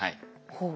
ほう。